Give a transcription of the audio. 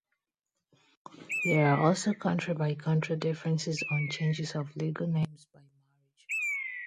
There are also country-by-country differences on changes of legal names by marriage.